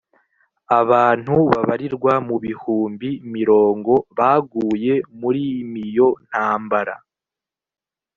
abantu babarirwa mu bihumbi mirongo baguye murimiyo ntambara